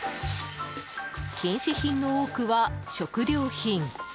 禁止品の多くは食料品。